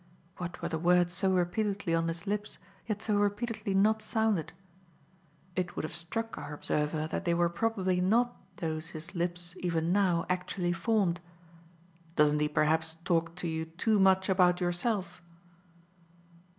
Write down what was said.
What were the words so repeatedly on his lips, yet so repeatedly not sounded? It would have struck our observer that they were probably not those his lips even now actually formed. "Doesn't he perhaps talk to you too much about yourself?"